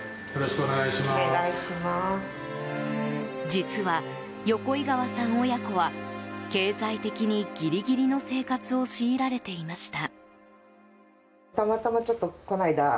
実は横井川さん親子は経済的にギリギリの生活を強いられていました。